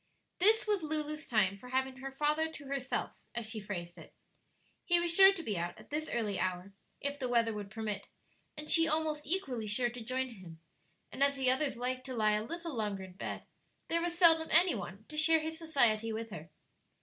This was Lulu's time for having her father to herself, as she phrased it. He was sure to be out at this early hour, if the weather would permit, and she almost equally sure to join him: and as the others liked to lie a little longer in bed, there was seldom any one to share his society with her.